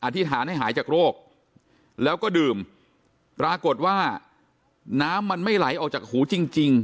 ธิษฐานให้หายจากโรคแล้วก็ดื่มปรากฏว่าน้ำมันไม่ไหลออกจากหูจริง